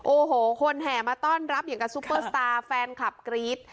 โอ้โหคนแห่มาต้อนรับอย่างกับซุปเปอร์สตาร์แฟนคลับกรี๊ด